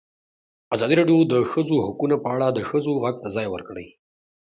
ازادي راډیو د د ښځو حقونه په اړه د ښځو غږ ته ځای ورکړی.